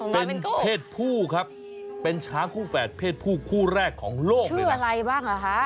เป็นเพศผู้ครับเป็นช้างคู่แฝดเพศผู้คู่แรกของโลกหรืออะไรบ้างเหรอคะ